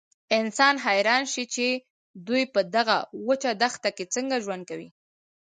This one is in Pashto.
انسان حیران شي چې دوی په دغه وچه دښته کې څنګه ژوند کوي.